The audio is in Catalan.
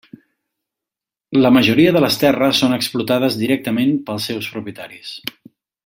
La majoria de les terres són explotades directament pels seus propietaris.